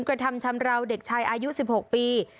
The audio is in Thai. กระทำชำราวเด็กชายอายุ๑๖ปี